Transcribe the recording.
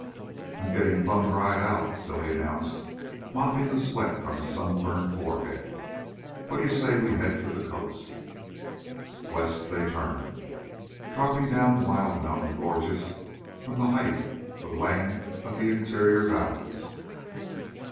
"I 'm gettin' plumb dried out," Billy announced, mopping the sweat from his sunburned forehead. "What d'ye say we head for the coast?" West they turned, dropping down wild mountain gorges from the height of land of the interior valleys.